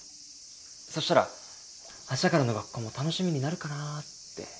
そしたら明日からの学校も楽しみになるかなって。